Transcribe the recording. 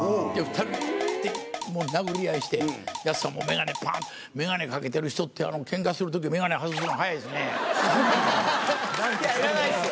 ２人、くーって殴り合いして、やすしさんも眼鏡、ぱん、眼鏡かけてる人って、けんかするとき眼鏡外すの早いですね。